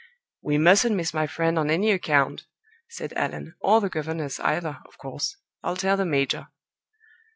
"We mustn't miss my friend on any account," said Allan; "or the governess, either, of course. I'll tell the major."